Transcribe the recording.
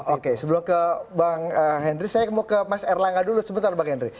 oke sebelum ke bang henry saya mau ke mas erlangga dulu sebentar bang henry